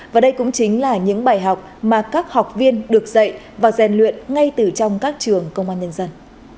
và đây cũng chính là những bài học mà các học viên được dạy và rèn luyện ngay từ trong các trường công an nhân dân